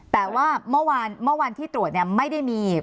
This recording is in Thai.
แต่ว่าเมื่อวันที่ตรวจไม่ได้มี